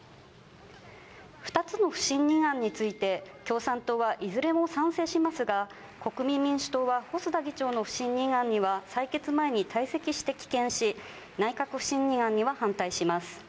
２つの不信任案について、共産党はいずれも賛成しますが、国民民主党は細田議長の不信任案には採決前に退席して棄権し、内閣不信任案には反対します。